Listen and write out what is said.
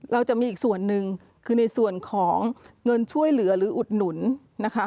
เราจะมีอีกส่วนหนึ่งคือในส่วนของเงินช่วยเหลือหรืออุดหนุนนะคะ